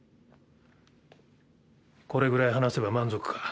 これぐらい話せば満足か？